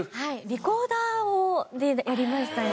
リコーダーでやりましたね